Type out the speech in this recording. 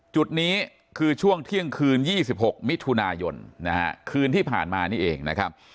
จุดนี้คือช่วงเที่ยงคืน๒๖มิถุนายนนะฮะคืนที่ผ่านมานี่เองนะครับ